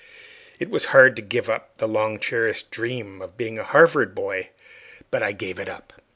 It was hard to give up the long cherished dream of being a Harvard boy; but I gave it up.